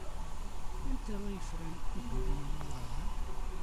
Anta ay yefran ugur-nni aweɛṛan?